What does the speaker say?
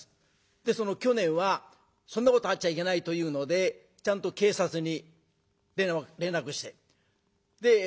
で去年はそんなことあっちゃいけないというのでちゃんと警察に連絡してで「分かりました」